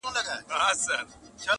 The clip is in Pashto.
د سواهدو په لټه کي دي او هر څه ګوري,